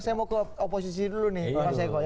saya mau ke oposisi dulu nih mas eko ya